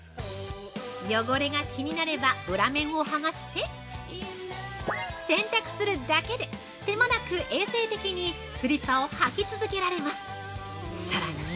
◆汚れが気になれば裏面を剥がして、洗濯するだけで手間なく衛生的にスリッパを履き続けられます！